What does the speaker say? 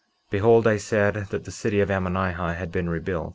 49:3 Behold, I said that the city of Ammonihah had been rebuilt.